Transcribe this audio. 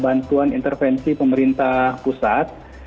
tentuan intervensi pemerintah pusat